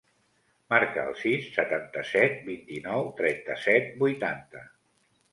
Marca el sis, setanta-set, vint-i-nou, trenta-set, vuitanta.